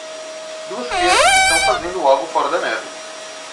Duas crianças estão fazendo algo fora da neve.